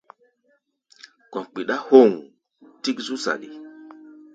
Gɔ̧ kpiɗá hoŋ tík zú saɗi.